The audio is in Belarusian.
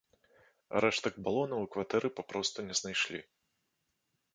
А рэштак балона ў кватэры папросту не знайшлі.